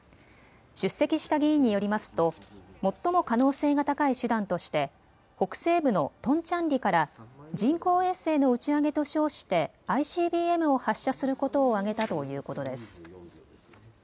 出席した議員によりますと最も可能性が高い手段として北西部のトンチャンリから人工衛星の打ち上げと称してＩＣＢＭを発射することを挙げたということです。